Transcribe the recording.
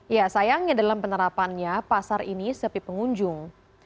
ya sayangnya dalam penerapannya pasar ini sepi pengunjung